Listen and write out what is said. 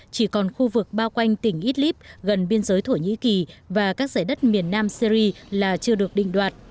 chỉ còn khu vực bao quanh tỉnh idlib gần biên giới thổ nhĩ kỳ và các giải đất miền nam syri là chưa được đình đoạt